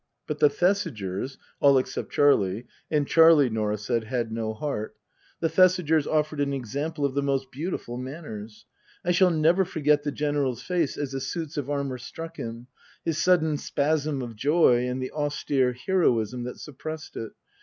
But the Thesigers (all except Charlie and Charlie, Norah said, had no heart), the Thesigers offered an example of the most beautiful manners. I shall never forget the General's face as the suits of armour struck him his sudden spasm of joy and the austere heroism that suppressed it.